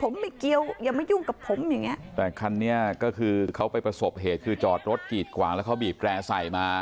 ผมไม่เกี่ยวอย่ามายุ่งกับผมอย่างเงี้ยแต่คันนี้ก็คือเขาไปประสบเหตุคือจอดรถกีดขวางแล้วเขาบีบแร่ใส่มา